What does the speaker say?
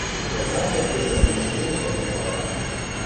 Во мраке без зари живыми погребала